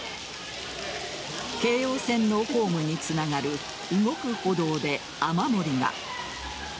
京葉線のホームにつながる動く歩道で雨漏りが。